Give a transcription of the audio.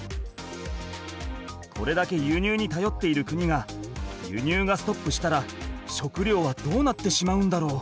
これだけ輸入にたよっている国が輸入がストップしたら食料はどうなってしまうんだろう？